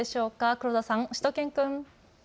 黒田さん、しゅと犬くん。